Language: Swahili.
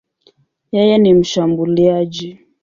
Yeye ni mshambuliaji.